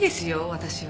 私は。